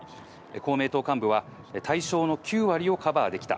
公明党幹部は、対象の９割をカバーできた。